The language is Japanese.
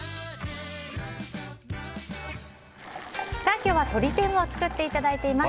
今日は鶏天を作っていただいています。